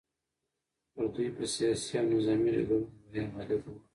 پر دوی په سیاسي او نظامي ډګرونو روحیه غالبه وه.